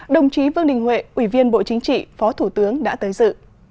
đồng chí vương đình huệ ủy viên bộ chính trị phó thủ tướng đã tới dự